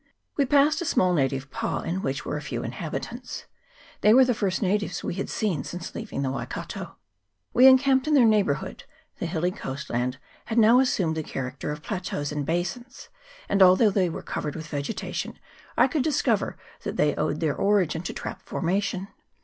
We passed a small native pa, in which were a few inhabitants ; they were the first natives we had seen since leaving the Waikato. We encamped in their neighbourhood : the hilly coastland had now assumed the character of plateaux and basins ; and although they were covered with vegetation, I could discover that they owed their origin to trap formation.